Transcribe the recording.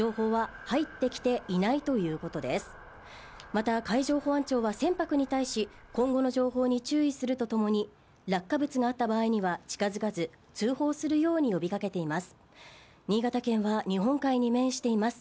また海上保安庁は船舶に対し今後の情報に注意するとともに落下物があった場合には近づかず、通報するように呼びかけています。